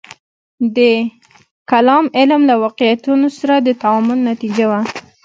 د کلام علم له واقعیتونو سره د تعامل نتیجه وه.